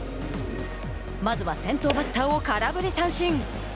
まずは先頭バッターを空振り三振。